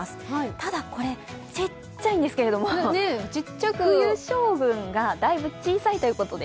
ただ、これ、ちっちゃいんですけど冬将軍がだいぶ小さいということで。